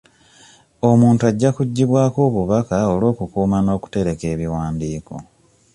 Omuntu ajja kujjibwako obubaka olw'okukuuma n'okutereka ebiwandiiko.